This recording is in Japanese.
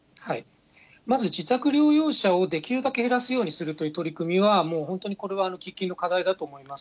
まず、自宅療養者をできるだけ減らすようにするという取り組みは、本当にこれは喫緊の課題だと思います。